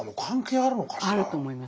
あると思います。